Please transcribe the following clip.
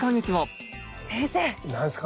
何ですか？